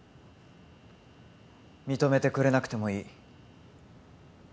認めてくれなくてもいい。